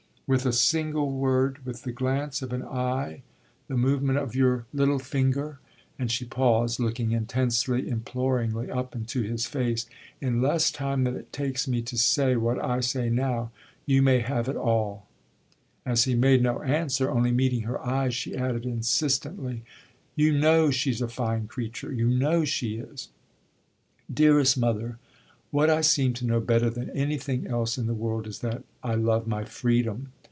"With a single word, with the glance of an eye, the movement of your little finger" and she paused, looking intensely, imploringly up into his face "in less time than it takes me to say what I say now, you may have it all." As he made no answer, only meeting her eyes, she added insistently: "You know she's a fine creature you know she is!" "Dearest mother, what I seem to know better than anything else in the world is that I love my freedom.